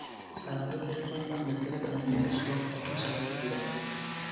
Sagardotegiko hainbat bezero eta langile sua itzaltzen saiatu ziren.